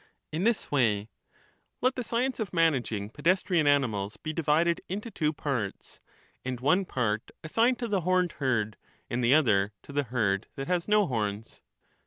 In this way : let the science of managing pedestrian animals be divided into two parts, and one part assigned to the horned herd, and the other to the herd that has no horns.